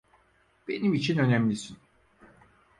Benim için önemlisin.